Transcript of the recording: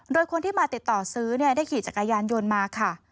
โดยคนที่มาติดต่อซื้อได้ขี่จักรยานยนต์มาค่ะ